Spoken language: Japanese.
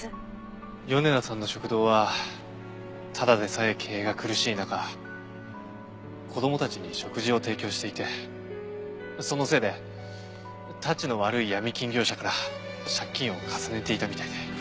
米田さんの食堂はただでさえ経営が苦しい中子供たちに食事を提供していてそのせいでたちの悪いヤミ金業者から借金を重ねていたみたいで。